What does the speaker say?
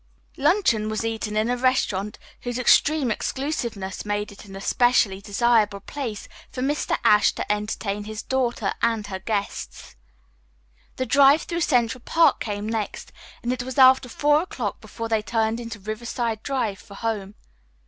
Luncheon was eaten in a restaurant whose extreme exclusiveness made it an especially desirable place for Mr. Ashe to entertain his daughter and her guests. The drive through Central Park came next, and it was after four o'clock before they turned into Riverside Drive for home.